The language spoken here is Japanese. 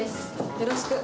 よろしく。